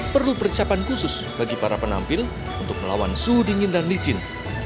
perlu persiapan khusus bagi para penampil untuk melawan suhu dingin dan licin